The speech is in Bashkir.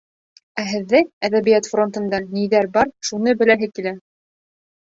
Ә һеҙҙә, әҙәбиәт фронтында, ниҙәр бар, шуны беләһе килә.